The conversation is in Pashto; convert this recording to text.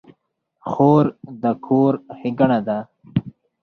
خور د کور ښېګڼه ده.